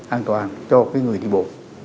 an toàn cho cái người đi bộ